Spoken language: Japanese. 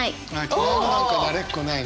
「嫌いになんかなれっこない」ね。